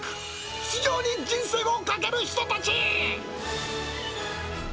出場に人生をかける人たち。